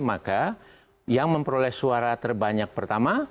maka yang memperoleh suara terbanyak pertama